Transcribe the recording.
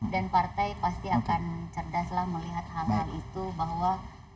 partai pasti akan cerdaslah melihat hal hal itu bahwa